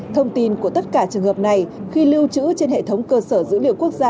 thông tin của tất cả trường hợp này khi lưu trữ trên hệ thống cơ sở dữ liệu quốc gia